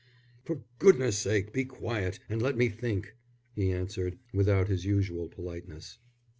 "For goodness' sake be quiet, and let me think," he answered, without his usual politeness.